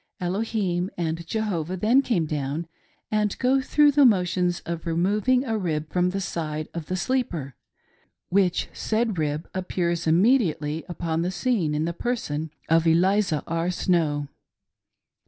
Elohim and Jehovah then came down and go through the motions of Removing a rib from the side of the sleeper, which said rib appears immediately upon the scene in the person of Eliza R. Snow.